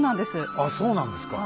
あっそうなんですか。